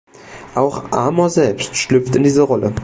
Auch Amor selbst schlüpft in diese Rolle.